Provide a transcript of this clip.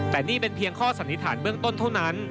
แต่นี่เป็นเพียงข้อสันนิษฐานเบื้องต้นเท่านั้น